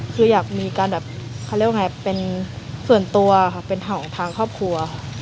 คืออยากมีการแบบเขาเรียกว่าไงเป็นส่วนตัวค่ะเป็นเห่าของทางครอบครัว